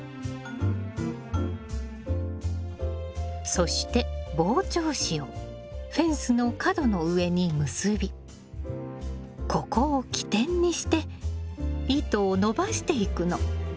そして防鳥糸をフェンスの角の上に結びここを起点にして糸をのばしていくの。